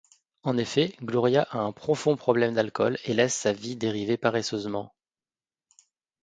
En effet, Gloria a un profond problème d'alcool et laisse sa vie dériver paresseusement.